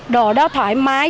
đồ đó thoải mái